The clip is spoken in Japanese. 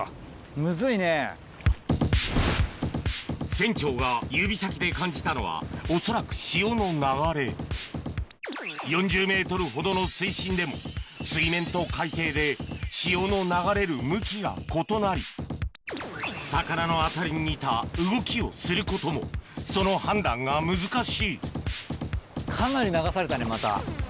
船長が指先で感じたのは恐らく潮の流れ４０ｍほどの水深でも魚の当たりに似た動きをすることもその判断が難しいかなり流されたねまた。